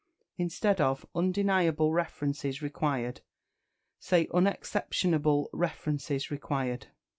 Instead of "Undeniable references required," say "Unexceptionable references required."